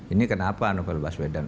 ini kenapa novel baswedan